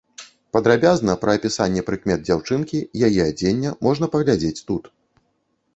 Падрабязна пра апісанне прыкмет дзяўчынкі, яе адзення можна паглядзець тут.